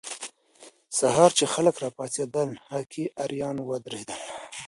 سهار چې خلک راپاڅېدل، هکي اریان ودرېدل.